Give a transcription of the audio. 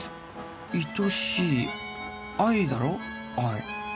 いとしい愛だろ愛